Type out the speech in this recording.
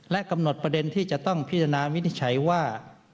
และกำหนดประเด็นที่จะต้องพิจารณาวินิจฉัยว่า